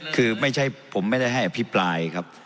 คือไม่ใช่ผมไม่ได้ให้อภิปรายครับ